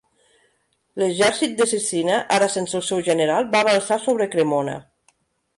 L'exèrcit de Cecina, ara sense el seu general, va avançar sobre Cremona.